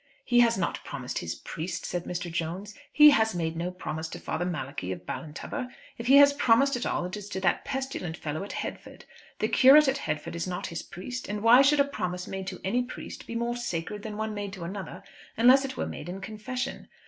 "He has not promised his priest," said Mr. Jones. "He has made no promise to Father Malachi, of Ballintubber. If he has promised at all it is to that pestilent fellow at Headford. The curate at Headford is not his priest, and why should a promise made to any priest be more sacred than one made to another, unless it were made in confession?